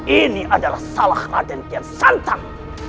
ini adalah salah raden kian santang